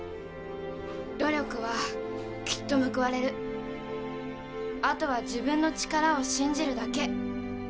「努力はきっと報われる」「後は自分の力を信じるだけ」